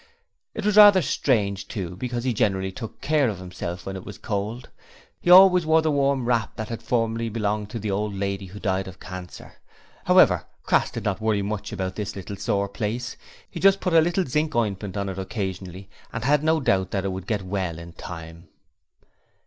It was rather strange, too, because he generally took care of himself when it was cold: he always wore the warm wrap that had formerly belonged to the old lady who died of cancer. However, Crass did not worry much about this little sore place; he just put a little zinc ointment on it occasionally and had no doubt that it would get well in time.